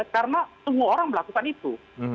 karena semua orang melakukan itu